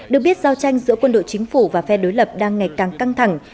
được biết giao tranh giữa quân đội chính phủ và phe đối lập đang ngày càng căng thẳng